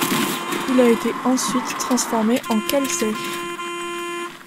Il a été ensuite transformé en cale sèche.